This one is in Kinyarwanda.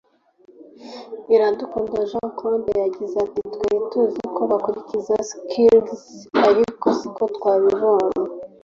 Iradukunda Jean Claude yagize ati “Twari tuziko bakurikiza skills (ubumenyi) ariko siko twabibonye